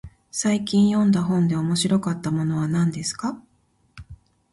最近読んだ本で面白かったものは何ですか。